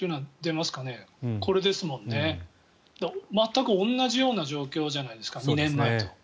まったく同じような状況じゃないですか、２年前と。